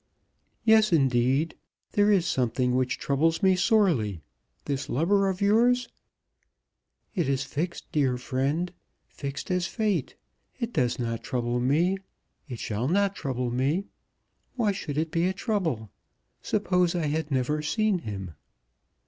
"Yes, indeed. There is something which troubles me sorely. This lover of yours?" "It is fixed, dear friend; fixed as fate. It does not trouble me. It shall not trouble me. Why should it be a trouble? Suppose I had never seen him!"